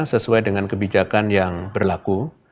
sesuai dengan kebijakan yang berlaku